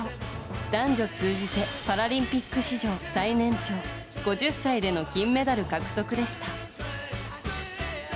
男女通じてパラリンピック史上最年長５０歳での金メダル獲得でした。